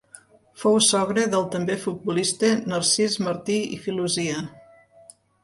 Fou sogre del també futbolista Narcís Martí i Filosia.